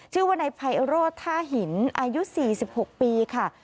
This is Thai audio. ชื่อว่านายไพโรธท่าหินอายุ๔๖ปีค่ะ